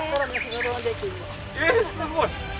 えっすごい。